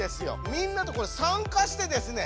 みんなと参加してですね